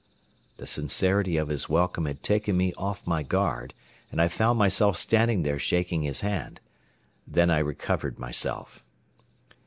The sincerity of his welcome had taken me off my guard, and I found myself standing there shaking his hand. Then I recovered myself.